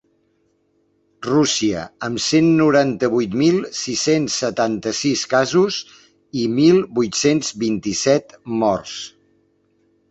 Rússia, amb cent noranta-vuit mil sis-cents setanta-sis casos i mil vuit-cents vint-i-set morts.